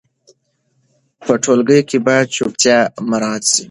په ټولګي کې باید چوپتیا مراعت سي.